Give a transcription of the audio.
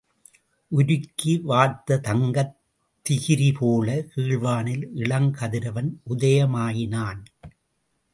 உருக்கி வார்த்த தங்கத் திகிரி போலக் கீழ்வானில் இளங்கதிரவன் உதயமாயினான்.